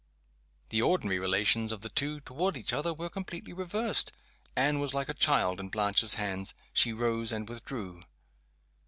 The ordinary relations of the two toward each other were completely reversed. Anne was like a child in Blanche's hands. She rose, and withdrew.